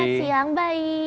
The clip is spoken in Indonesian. selamat siang baik